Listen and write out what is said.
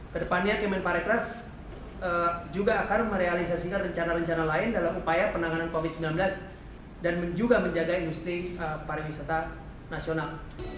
kedepannya kemen parekraf juga akan merealisasikan rencana rencana lain dalam upaya penanganan covid sembilan belas dan juga menjaga industri pariwisata nasional